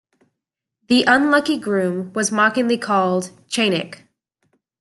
The unlucky groom was mockingly called "chainik".